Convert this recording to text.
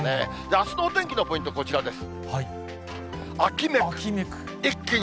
あすのお天気のポイント、こちらです。